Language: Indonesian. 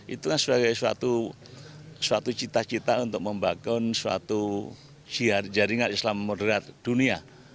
itu kan sebagai suatu cita cita untuk membangun suatu jaringan islam moderat dunia